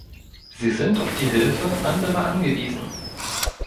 Sie sind auf die Hilfe anderer angewiesen.